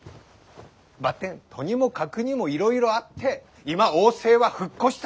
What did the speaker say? ばってんとにもかくにもいろいろあって今王政は復古した。